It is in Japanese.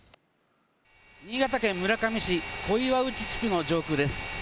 新潟県村上市小岩内地区の上空です。